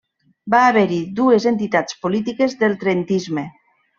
Va haver-hi dues entitats polítiques del trentisme.